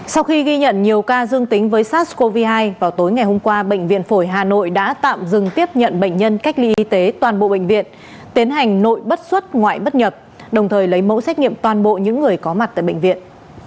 sau khi ghi nhận nhiều ca dương tính với sars cov hai vào tối ngày hôm qua bệnh viện phổi hà nội đã tạm dừng tiếp nhận bệnh nhân cách ly y tế toàn bộ bệnh viện tiến hành nội bất xuất ngoại bất nhập đồng thời lấy mẫu xét nghiệm toàn bộ những người có mặt tại bệnh viện